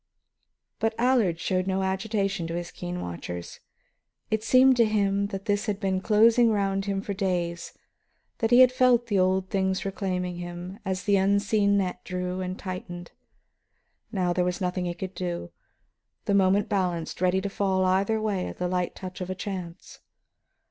But Allard showed no agitation to his keen watchers. It seemed to him that this had been closing around him for days, that he had felt the old things reclaiming him as the unseen net drew and tightened. Now there was nothing he could do; the moment balanced, ready to fall either way at the light touch of chance.